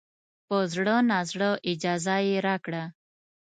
په زړه نازړه اجازه یې راکړه.